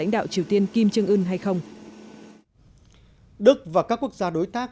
đức và các quốc gia đối tác